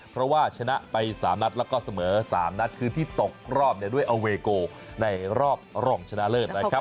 เพราะว่าชนะไป๓นัดแล้วก็เสมอ๓นัดคือที่ตกรอบเนี่ยด้วยอเวโกในรอบรองชนะเลิศนะครับ